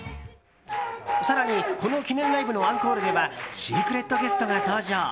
更にこの記念ライブのアンコールではシークレットゲストが登場。